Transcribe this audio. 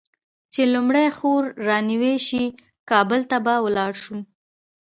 چې لومړۍ خور رانوې شي؛ کابل ته به ولاړ شو.